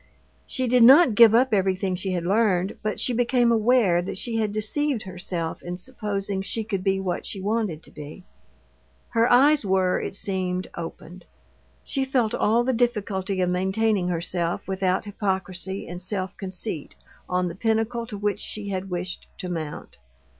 She did not give up everything she had learned, but she became aware that she had deceived herself in supposing she could be what she wanted to be. Her eyes were, it seemed, opened; she felt all the difficulty of maintaining herself without hypocrisy and self conceit on the pinnacle to which she had wished to mount.